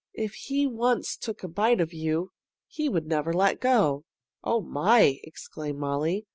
"If he once took a bite of you, he would never let go." "Oh, my!" exclaimed Molly.